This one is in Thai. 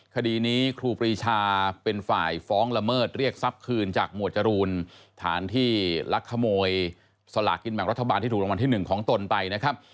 คดีนี้ครูปรีชาเป็นฝ่ายฟ้องละเมิดเรียกทรัพย์คืนจากหมวดจรูนฐานที่ลักขโมยสลากินแบ่งรัฐบาลที่ถูกรางวัลที่๑ของตนไปนะครับ